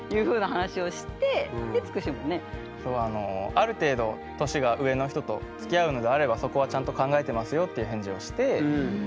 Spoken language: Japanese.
ある程度年が上の人とつきあうのであればそこはちゃんと考えてますよっていう返事をして。